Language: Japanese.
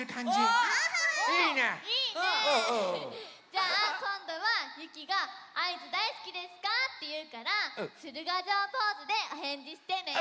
じゃあこんどはゆきが「あいづだいすきですか？」っていうからつるがじょうポーズでおへんじしてね。